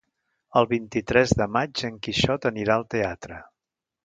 El vint-i-tres de maig en Quixot anirà al teatre.